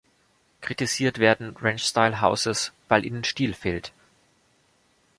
Kritisiert werden Ranch-style Houses, weil ihnen Stil fehlt.